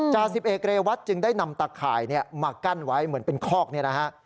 จ่าสิบเอกเรวัตจึงได้นำตะข่ายมากั้นไว้เหมือนเป็นคอกเนี่ยนะฮะ